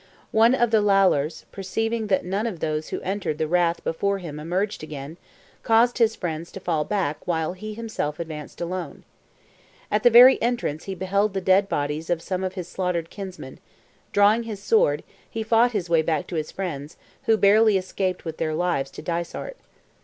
One of the Lalors, perceiving that none of those who entered the rath before him emerged again, caused his friends to fall back while he himself advanced alone. At the very entrance he beheld the dead bodies of some of his slaughtered kinsmen; drawing his sword, he fought his way back to his friends, who barely escaped with their lives to Dysart.